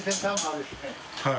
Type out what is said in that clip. はい。